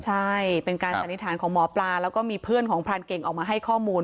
ใช่เป็นการสันนิษฐานของหมอปลาแล้วก็มีเพื่อนของพรานเก่งออกมาให้ข้อมูล